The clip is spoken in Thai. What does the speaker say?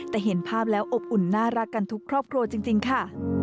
แต่เห็นภาพแล้วอบอุ่นน่ารักกันทุกครอบครัวจริงค่ะ